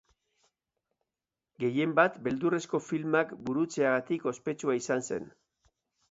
Gehienbat beldurrezko filmak burutzeagatik ospetsua izan zen.